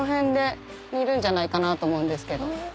いるんじゃないかなと思うんですけど。